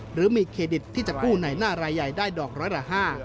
หรือมีเครดิตที่จะกู้ในหน้ารายใหญ่ได้ดอกร้อยละ๕